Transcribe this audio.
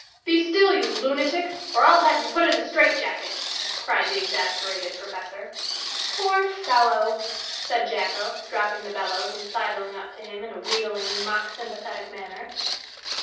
Be still, you lunatic, or I'll have you put in a strait jacket!" cried the exasperated professor. "Poor fellow!" said Jacko, dropping the bellows and sidling up to him in a wheedling, mock sympathetic manner.